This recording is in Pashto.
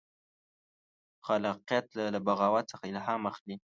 خلاقیت یې له بغاوت څخه الهام اخلي.